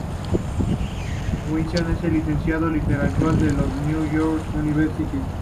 Weisman es licenciado en literatura por la Northwestern University.